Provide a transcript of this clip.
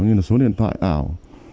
như là số điện thoại ảo